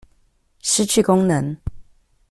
失去功能